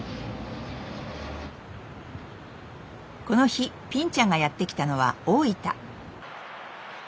この日ぴんちゃんがやって来たのは大分。